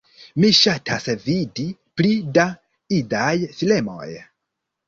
Mi ŝatas vidi pli da idaj filmoj